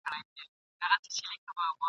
برخه نه لري له آب او له ادبه !.